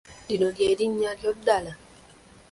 Lino ly’erinnya lyo ddala.